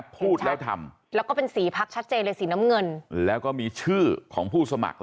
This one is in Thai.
พูดแล้วทำ